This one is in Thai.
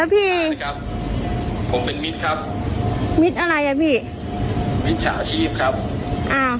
แล้วพี่ผมเป็นมิตรครับมิตรอะไรอ่ะพี่มิตรสาชีพครับอ่า